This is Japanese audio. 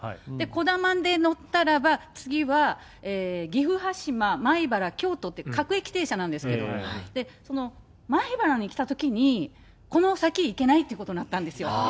こだまに乗ったらば、次は、岐阜羽島、米原、京都って、各駅停車なんですけど、米原に来たときに、この先行けないってことになったんですよ。